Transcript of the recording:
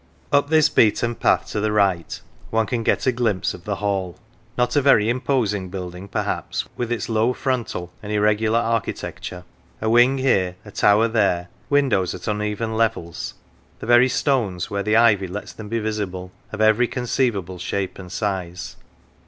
Up this beaten path to the right one can get a glimpse of the Hall. Not a very imposing building perhaps, with its low frontal and irregular architecture a wing here, a tower there, windows at uneven levels, the very stones, where the ivy lets them be visible, of every conceivable shape and size.